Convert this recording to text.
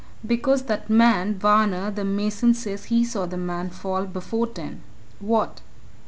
"Because that man, Varner, the mason, says he saw the man fall before ten. What?"